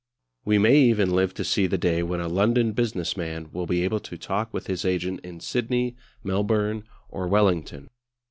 We may even live to see the day when a London business man will be able to talk with his agent in Sydney, Melbourne, or Wellington.